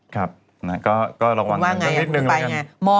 ครับก็ลองเปลี่ยนว่าไงครับ